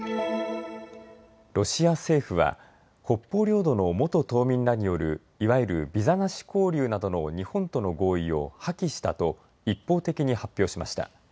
ロシア政府は北方領土の元島民らによる、いわゆるビザなし交流などの日本との合意を破棄したと一方的に発表しました。